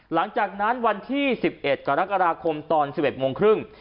หลังจากนั้นวันที่๑๑กรกฎาคมตอน๑๑โมงครึ่ง